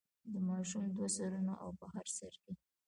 د ماشوم دوه سرونه او په هر سر کې.